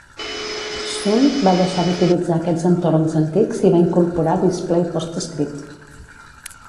Xsun va deixar d'utilitzar aquests entorns antics i va incorporar Display PostScript.